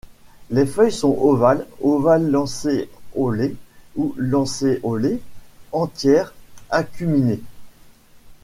Les feuilles sont ovales, ovales-lancéolées ou lancéolées, entières, acuminées.